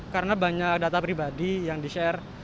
karena banyak data pribadi yang di share